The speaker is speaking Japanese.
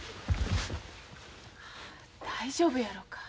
大丈夫やろか。